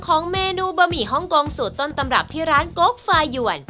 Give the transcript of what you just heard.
ของเมนูบะหมี่ฮ่องกงสูตรต้นตำรับที่ร้านโก๊กฟายวน